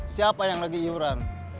siapa yang lagi iuran